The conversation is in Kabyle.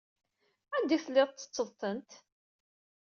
Anda ay telliḍ tettetteḍ-tent?